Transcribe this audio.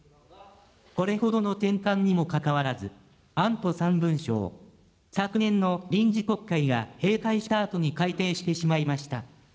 これほどの転換にもかかわらず、安保３文書を昨年の臨時国会が閉会したあとに改定してしまいました。